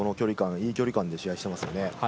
いい距離感で試合していますよね。